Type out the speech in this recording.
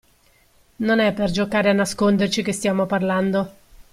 Non è per giocare a nasconderci che stiamo parlando!